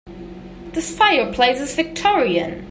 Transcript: This fireplace is victorian.